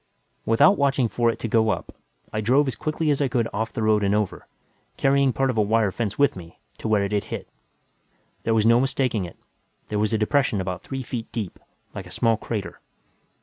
Without watching for it to go up, I drove as quickly as I could off the road and over carrying part of a wire fence with me to where it had hit. There was no mistaking it; there was a depression about three feet deep, like a small crater.